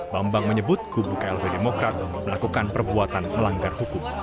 bambang menyebut kubu klb demokrat melakukan perbuatan melanggar hukum